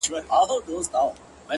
ستا د لپي په رڼو اوبو کي گراني “